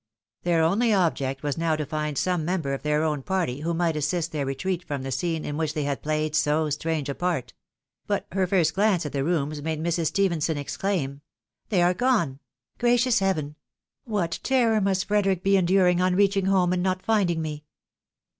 Their only object was now to find some member of their own party who might assist their retreat from the scene in which they had played so strange a part; but her first glance at the rooms made Mrs. Stephenson exclaim — "They are gone! Gracious heaven ! What terror must Frederic be enduring on reaching home and not finding me